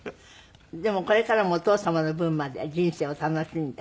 でもこれからもお父様の分まで人生を楽しんで。